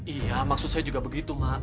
iya maksud saya juga begitu mak